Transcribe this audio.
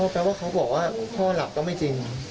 แปลว่าเขาบอกว่าพ่อหลับก็ไม่จริง